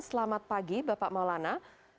selamat pagi bapak maulana